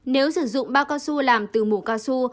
nếu sử dụng bao cao su làm từ mổ cao su